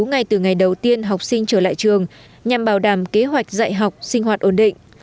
ngay từ ngày đầu tiên học sinh trở lại trường nhằm bảo đảm kế hoạch dạy học sinh hoạt ổn định